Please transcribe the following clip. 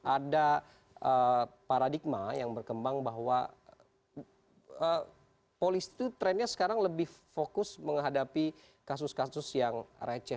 ada paradigma yang berkembang bahwa polisi itu trennya sekarang lebih fokus menghadapi kasus kasus yang receh